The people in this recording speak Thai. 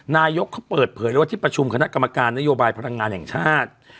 นายกเขาเปิดเผยเลยว่าที่ประชุมคณะกรรมการนโยบายพลังงานแห่งชาติ